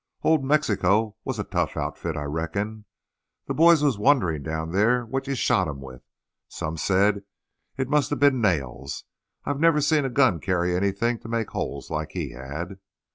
Old Mexico was a tough outfit, I reckon. The boys was wonderin' down there what you shot him with. Some said it must have been nails. I never see a gun carry anything to make holes like he had."